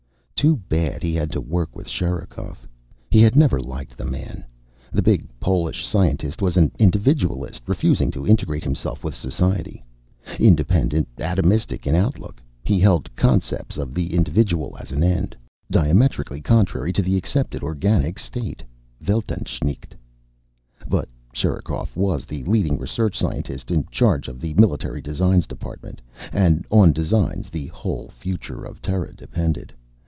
Too bad he had to work with Sherikov. He had never liked the man. The big Polish scientist was an individualist, refusing to integrate himself with society. Independent, atomistic in outlook. He held concepts of the individual as an end, diametrically contrary to the accepted organic state Weltansicht. But Sherikov was the leading research scientist, in charge of the Military Designs Department. And on Designs the whole future of Terra depended.